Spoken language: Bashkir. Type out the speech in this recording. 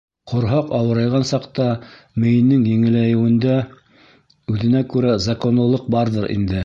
Ҡорһаҡ ауырайған саҡта мейенең еңеләйеүендә үҙенә күрә законлылыҡ барҙыр инде.